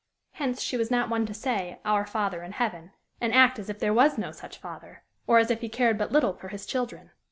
Hence she was not one to say our Father in heaven, and act as if there were no such Father, or as if he cared but little for his children.